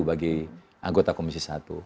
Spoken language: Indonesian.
bagi anggota komisi satu